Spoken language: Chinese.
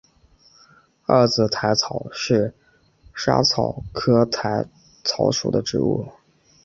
二籽薹草是莎草科薹草属的植物。